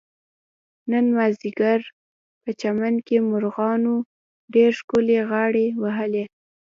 نن مازدیګر په چمن کې مرغانو ډېر ښکلې غاړې وهلې.